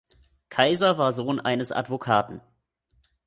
Keiser war Sohn eines Advokaten.